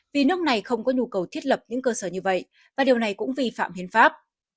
vì nước này không có nhu cầu thiết lập những cơ sở như vậy và điều này cũng vi phạm hiến pháp